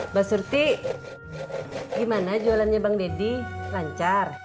mbak surti gimana jualannya bang deddy lancar